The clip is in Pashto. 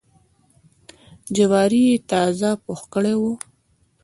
جواري یې تازه پوخ کړی و.